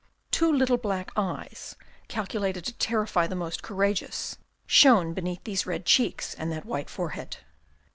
Two little black eyes, calculated to terrify the most courageous, shone between these red cheeks and that white forehead.